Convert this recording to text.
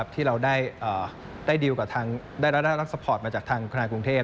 ที่เราได้รับรักษ์สปอร์ตมาจากธนาคารกรุงเทพฯ